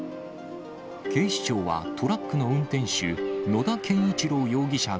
警視庁はトラックの運転手、野田健一朗容疑者